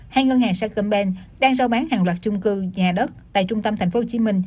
hai ngân hàng sacombank đang rao bán hàng loạt trung cư nhà đất tại trung tâm tp hcm